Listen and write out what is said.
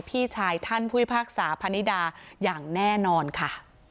พี่ชายท่านพุทธภาคสาพนิดาอย่างแน่นอนค่ะ